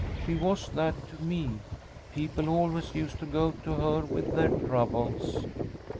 She was that to me. People always used to go to her with their troubles."